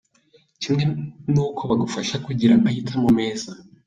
Kimwe n’uko bagufasha kugira mahitamo meza.